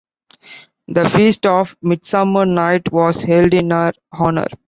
The feast of Midsummer Night was held in her honor.